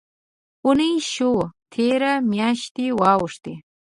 اوونۍ شوه تېره، میاشتي واوښتې